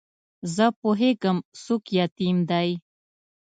زه پوهېږم څوک یتیم دی.